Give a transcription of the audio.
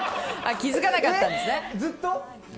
気付かなかったんですね。